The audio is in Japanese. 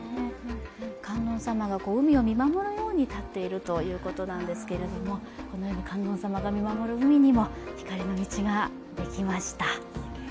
観音様が海を見守るように立っているということなんですけどこのように観音様が見守る海にも光の道ができました。